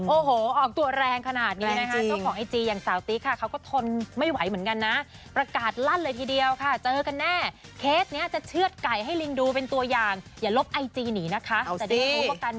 โอ้โหออกตัวแรงขนาดนี้โทษของไอจีอย่างสาวติ๊กค่ะ